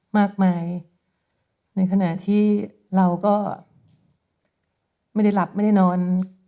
มากมายในขณะที่เราก็ไม่ได้หลับไม่ได้นอน